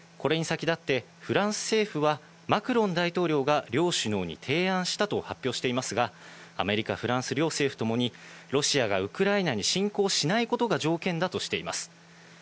これに先立ってフランス政府はマクロン大統領が両首脳に提案したと発表していますが、アメリカ、フランスの両政府ともにロシアがウクライナに侵攻しないことが条件だとしています。